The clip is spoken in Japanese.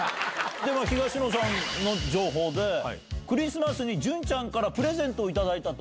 でも東野さんの情報で、クリスマスに潤ちゃんからプレゼントを頂いたと。